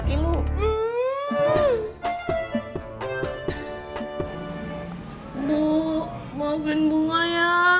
ibu maafin bunga ya